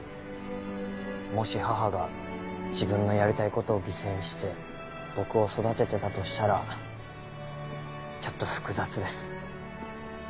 もし母が自分のやりたいことを犠牲にして僕を育ててたとしたらちょっと複雑です。